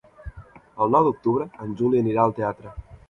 El nou d'octubre en Juli anirà al teatre.